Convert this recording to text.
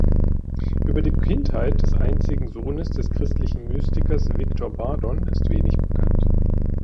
Über die Kindheit des einzigen Sohnes des christlichen Mystikers Viktor Bardon ist wenig bekannt.